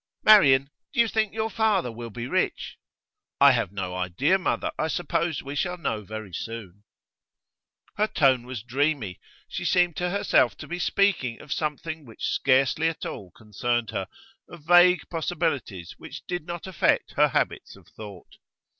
'Marian, do you think your father will be rich?' 'I have no idea, mother. I suppose we shall know very soon.' Her tone was dreamy. She seemed to herself to be speaking of something which scarcely at all concerned her, of vague possibilities which did not affect her habits of thought.